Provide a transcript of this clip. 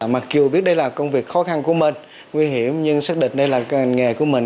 mặc dù biết đây là công việc khó khăn của mình nguy hiểm nhưng xác định đây là hành nghề của mình